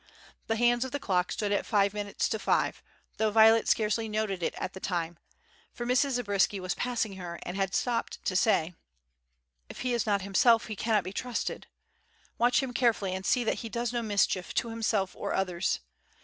The hands of the clock stood at five minutes to five, though Violet scarcely noted it at the time, for Mrs. Zabriskie was passing her and had stopped to say: "If he is not himself, he cannot be trusted. Watch him carefully and see that he does no mischief to himself or others.